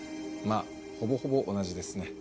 まあほぼほぼ同じですね。